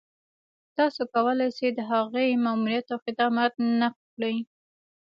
تاسو کولای شئ د هغې ماموريت او خدمات نقد کړئ.